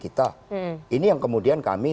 kita ini yang kemudian kami